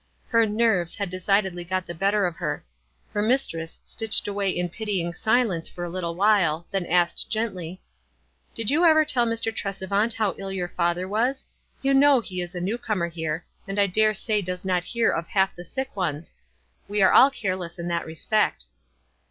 Her " nerves " had decidedly got the better of her. Her mistress stitched away in pitying si lence for a little while, then asked, gently, —" Did you ever tell Mr. Tresevant how ill your father was ? You know he is a new comer here, and I dare say doe3 not hear of half the sick ones. We are all careless in that respect."